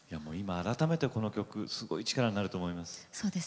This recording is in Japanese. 改めてこの曲すごい力になると思います。